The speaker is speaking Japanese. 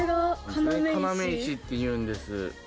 要石っていうんです。